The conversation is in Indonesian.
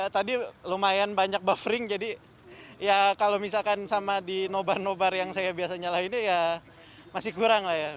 tadi lumayan banyak buffering jadi ya kalau misalkan sama di nobar nobar yang saya biasanya lah ini ya masih kurang lah ya